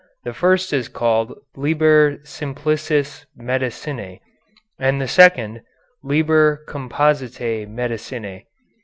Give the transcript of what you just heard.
The first is called "Liber Simplicis Medicinæ," and the second "Liber Compositæ Medicinæ."